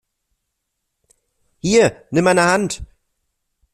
Hier, nimm meine Hand!